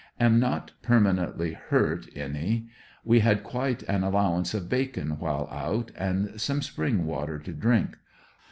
Am not permanently hurt any We had quite an allow ance of bacon while out, and some spring water to drink.